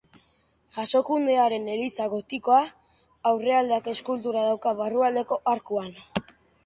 Jasokundearen eliza gotikoa, aurrealdeak eskultura dauka barrualdeko arkuan.